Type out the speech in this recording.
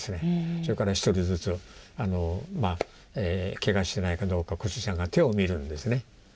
それから１人ずつケガしてないかどうか小杉さんが手を見るんですね。